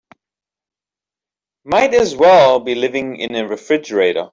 Might as well be living in a refrigerator.